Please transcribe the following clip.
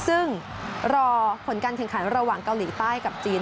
ซึ่งรอผลการแข่งขันระหว่างเกาหลีใต้กับจีน